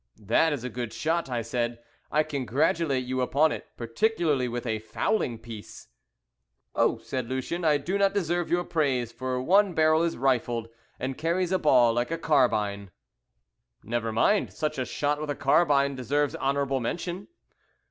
"That is a good shot," I said. "I congratulate you upon it, particularly with a fowling piece." "Oh," said Lucien, "I do not deserve your praise, for one barrel is rifled, and carries a ball like a carbine." "Never mind, such a shot with a carbine deserves honourable mention."